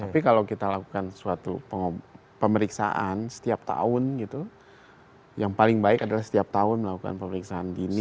tapi kalau kita lakukan suatu pemeriksaan setiap tahun gitu yang paling baik adalah setiap tahun melakukan pemeriksaan dini